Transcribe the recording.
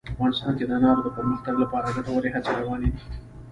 افغانستان کې د انارو د پرمختګ لپاره ګټورې هڅې روانې دي.